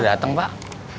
sudah datang pak